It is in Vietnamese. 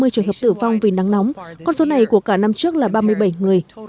ba mươi trường hợp tử vong vì nắng nóng con số này của cả năm trước là ba mươi bảy người